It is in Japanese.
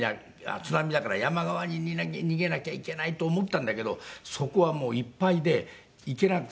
津波だから山側に逃げなきゃいけないと思ったんだけどそこはいっぱいで行けなくて。